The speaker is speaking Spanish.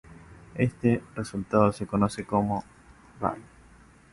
Este resultado se conoce como "bye".